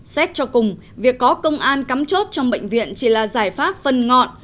xét cho cùng việc có công an cắm chốt trong bệnh viện chỉ là giải pháp phân ngọn